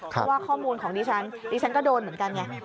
เพราะว่าข้อมูลของดิฉันดิฉันก็โดนเหมือนกันไง